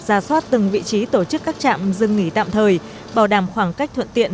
ra soát từng vị trí tổ chức các trạm dừng nghỉ tạm thời bảo đảm khoảng cách thuận tiện